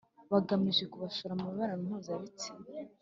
bagamije kubashora mu mibonano mpuzabitsina?